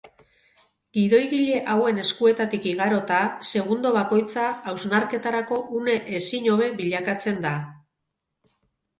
Gidoigile hauen eskuetatik igarota, segundo bakoitza hausnarketarako une ezin hobe bilakatzen da.